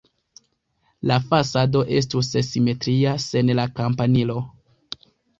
La fasado estus simetria sen la kampanilo.